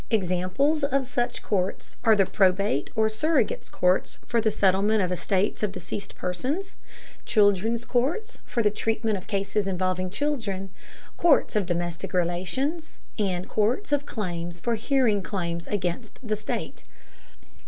Examples of such courts are the probate or surrogates' courts for the settlement of the estates of deceased persons; children's courts for the treatment of cases involving children; courts of domestic relations; and courts of claims for hearing claims against the state.